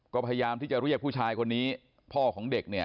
ก็พยายามที่จะเรียกผู้ชายคนนี้พ่อของเด็กเนี่ย